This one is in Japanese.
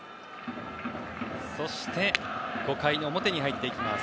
そして５回の表に入っていきます。